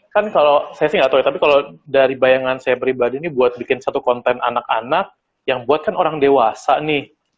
kan kalau saya sih nggak tahu ya tapi kalau dari bayangan saya pribadi ini buat bikin satu konten anak anak yang buat kan orang dewasa nih